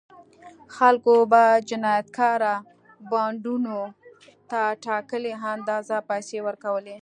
خلکو به جنایتکاره بانډونو ته ټاکلې اندازه پیسې ورکولې.